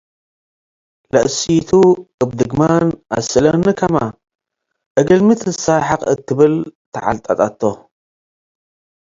ለእሲቱ እብ ድግማን፤ “አስእለኒ- ከመ፡ እግል ሚ ትሰሐቅከ?” እት ትብል ተዐልጠጠቶ'።